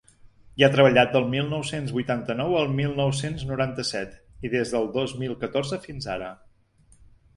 Hi ha treballat del mil nou-cents vuitanta-nou al mil nou-cents noranta-set i des del dos mil catorze fins ara.